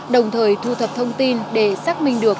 đồng thời thu thập thông tin để xác minh được